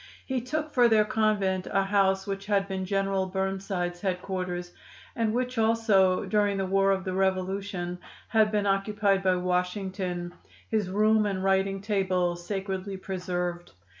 He took for their convent a house which had been General Burnsides' headquarters, and which also, during the war of the Revolution, had been occupied by Washington, his room and writing table sacredly preserved.